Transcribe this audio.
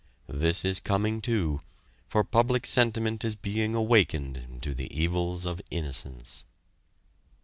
This is coming, too, for public sentiment is being awakened to the evils of innocence.